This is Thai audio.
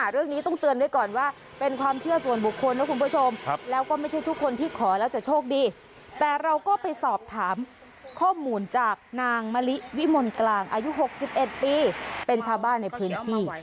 เรื่องนี้ต้องเตือนไว้ก่อนว่าเป็นความเชื่อส่วนบุคคลนะคุณผู้ชมแล้วก็ไม่ใช่ทุกคนที่ขอแล้วจะโชคดีแต่เราก็ไปสอบถามข้อมูลจากนางมะลิวิมลกลางอายุ๖๑ปีเป็นชาวบ้านในพื้นที่